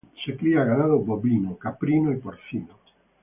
Se cría ganado bovino, caprino y porcino.